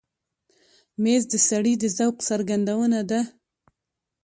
مېز د سړي د ذوق څرګندونه ده.